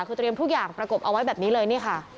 คือเตรียมทุกอย่างประกบเอาไว้แบบนี้เลยนี่ค่ะ